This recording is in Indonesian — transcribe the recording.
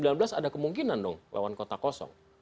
nah dua ribu sembilan belas ada kemungkinan dong melawan kota kosong